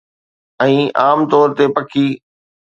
۽ عام طور تي پکي